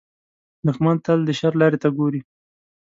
دښمن تل د شر لارې ته ګوري